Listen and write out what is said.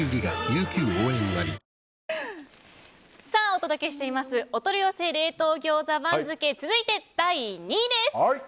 お届けしていますお取り寄せ餃子番付続いて、第２位です。